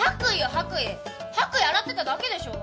白衣洗ってただけでしょうが。